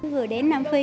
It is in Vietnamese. vừa đến nam phi